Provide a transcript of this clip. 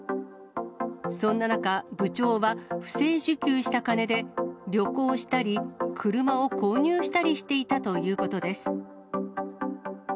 そんな中、部長は不正受給した金で旅行したり、車を購入したりしていたということです。